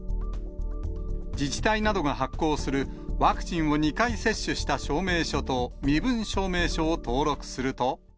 自治体などが発行するワクチンを２回接種した証明書と身分証明書を登録すると。